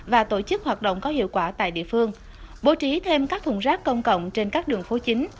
và tổ chức hoạt động có hiệu quả tại địa phương bố trí thêm các thùng rác công cộng trên các đường phố chính